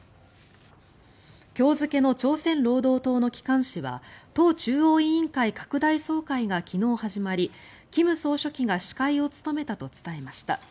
今日付の朝鮮労働党の機関紙は党中央委員会拡大総会が昨日始まり金総書記が司会を務めたと伝えました。